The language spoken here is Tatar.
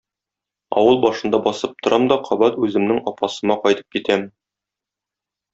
Авыл башында басып торам да кабат үземнең Апасыма кайтып китәм.